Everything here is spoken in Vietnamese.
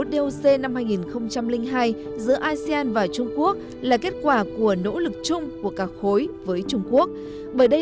doc năm hai nghìn hai giữa asean và trung quốc là kết quả của nỗ lực chung của cả khối với trung quốc bởi đây